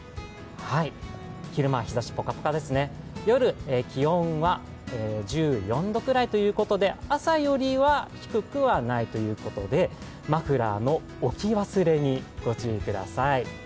夜は気温は１４度くらいということで、朝よりは低くはないということで、マフラーの置き忘れにご注意ください。